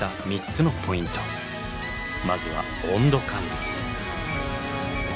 まずは温度管理。